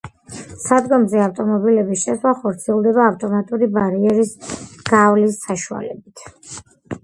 სადგომზე ავტომობილების შესვლა ხორციელდება ავტომატური ბარიერის გავლის საშუალებით.